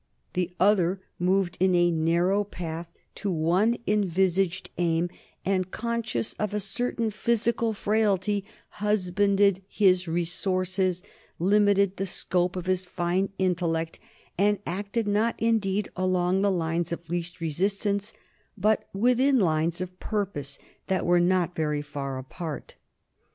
The other moved in a narrow path to one envisaged aim, and, conscious of a certain physical frailty, husbanded his resources, limited the scope of his fine intellect, and acted not indeed along the line of least resistance but within lines of purpose that were not very far apart.